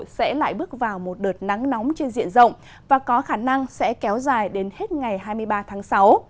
sẽ lại bước vào một đợt nắng nóng trên diện rộng và có khả năng sẽ kéo dài đến hết ngày hai mươi ba tháng sáu